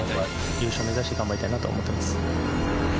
優勝目指して頑張りたいと思ってます。